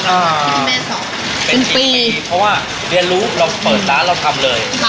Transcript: อ่าที่คุณแม่สอบเป็นปีเป็นปีเพราะว่าเรียนรู้เราเปิดร้านเราทำเลย